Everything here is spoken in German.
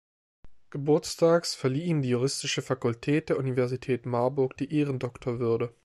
Geburtstags verlieh ihm die Juristische Fakultät der Universität Marburg die Ehrendoktorwürde.